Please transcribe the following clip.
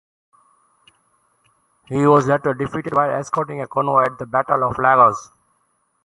He was later defeated while escorting a convoy at the Battle of Lagos.